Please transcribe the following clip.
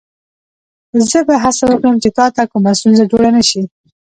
زه به هڅه وکړم چې تا ته کومه ستونزه جوړه نه شي.